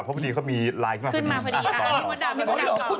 เพราะพอดีเขามีไลน์เข้ามาพอดี